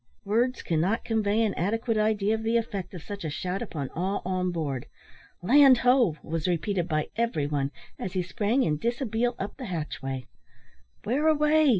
Words cannot convey an adequate idea of the effect of such a shout upon all on board. "Land, ho!" was repeated by every one, as he sprang in dishabille up the hatchway. "Where away?"